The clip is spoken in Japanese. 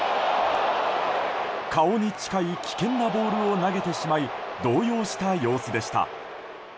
顔に近い危険なボールを投げてしまい動揺した様子でした。